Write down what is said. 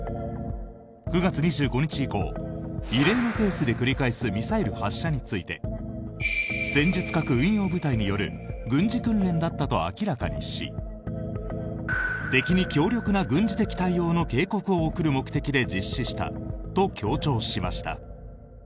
９月２５日以降異例のペースで繰り返すミサイル発射について戦術核運用部隊による軍事訓練だったと明らかにし敵に強力な軍事的対応の警告を送る目的で実施したと強調しました。